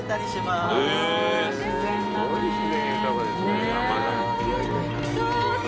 すごい自然豊かですね。